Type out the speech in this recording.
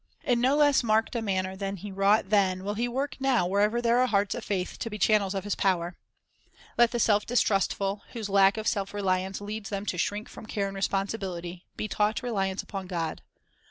In no less marked a manner than He wrought then will He work now wherever there are hearts of faith to be channels of His power. Let the self distrustful, whose lack of self reliance Help for leads them to shrink from care and responsibility, be Distrustful taught reliance upon God.